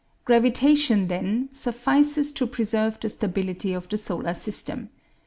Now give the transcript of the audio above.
Gravitation, then, suffices to preserve the stability of the solar system.